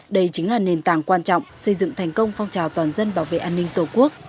đây chính là nền tảng quan trọng xây dựng thành công phong trào toàn dân bảo vệ an ninh tổ quốc